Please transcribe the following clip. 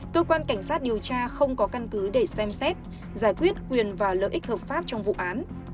cơ quan cảnh sát điều tra không có căn cứ để xem xét giải quyết quyền và lợi ích hợp pháp trong vụ án